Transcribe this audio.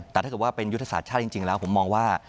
แต่ถ้าเกิดว่าเป็นยุทธศาสตร์ชาติจริงแล้วผมมองว่า